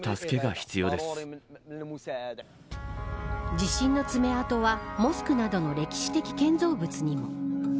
地震の爪痕はモスクなどの歴史的建造物にも。